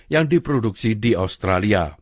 yang diproduksi di australia